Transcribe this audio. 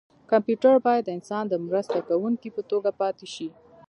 کمپیوټر باید د انسان د مرسته کوونکي په توګه پاتې شي.